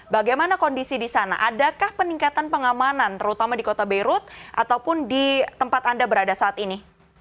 bagaimana kondisi di sana adakah peningkatan pengamanan terutama di kota beirut ataupun di tempat anda berada saat ini